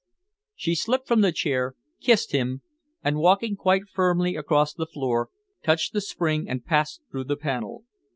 She slipped from the chair, kissed him, and, walking quite firmly across the floor, touched the spring and passed through the panel.